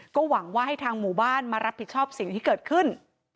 ก็หวังว่าให้ทางหมู่บ้านมารับผิดชอบสิ่งที่เกิดขึ้น